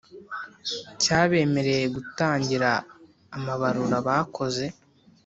cyabemereye gutangira amabarura bakoze